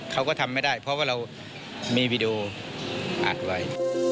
เขาก็ทำไม่ได้เพราะว่าเรามีวีดีโออัดไว้